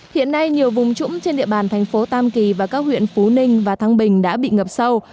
hiện nay nhiều vùng trũng trên địa bàn thành phố tam kỳ và các huyện phú ninh và thăng bình đã bị ngập sâu